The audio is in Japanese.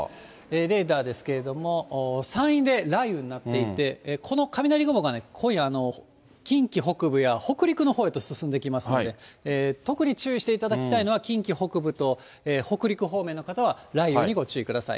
レーダーですけれども、山陰で雷雨になっていて、この雷雲がね、今夜、近畿北部や北陸のほうへと進んでいきますので、特に注意していただきたいのは近畿北部と北陸方面の方は雷雨にご注意ください。